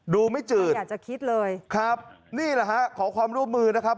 ดูไม่จืดอยากจะคิดเลยครับนี่แหละฮะขอความร่วมมือนะครับ